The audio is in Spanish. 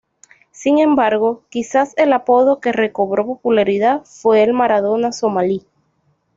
Sin embargo, quizás el apodo que recobró popularidad fue el ""Maradona somalí"".